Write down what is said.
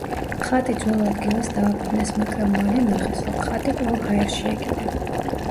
ხატი ძველ ადგილას დააბრუნეს, მაგრამ მალე ნახეს, რომ ხატი კვლავ ჰაერში ეკიდა.